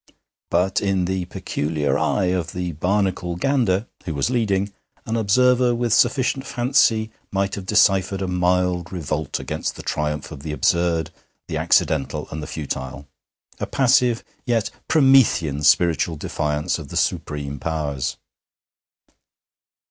But in the peculiar eye of the Barnacle gander, who was leading, an observer with sufficient fancy might have deciphered a mild revolt against this triumph of the absurd, the accidental, and the futile; a passive yet Promethean spiritual defiance of the supreme powers.